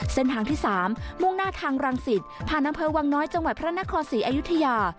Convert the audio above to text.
เส้นทางที่๓มุ่งหน้าทางรังสิตผ่านอำเภอวังน้อยจังหวัดพระนครศรีอยุธยา